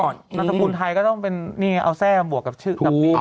นามสกุลไทยต้องเป็นนี้เอาแทร่บวกชื่อกลับบี